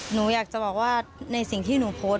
หนูอยากจะบอกว่าในสิ่งที่หนูโพสต์